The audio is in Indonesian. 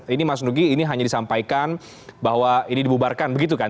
ini mas nugi ini hanya disampaikan bahwa ini dibubarkan begitu kan